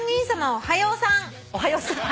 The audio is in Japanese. おはようさん！